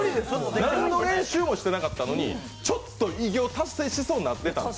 何の練習もしてなかったので、ちょっと偉業達成しそうになってた。